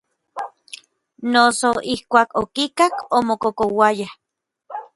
Noso ijkuak okikak omokokouaya.